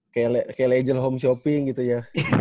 kayak legal home shopping gitu ya